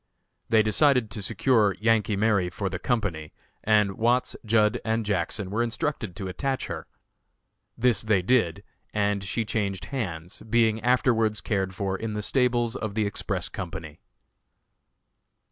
They decided to secure "Yankee Mary" for the company, and Watts, Judd & Jackson were instructed to attach her. This they did, and she changed hands, being afterwards cared for in the stables of the Express Company.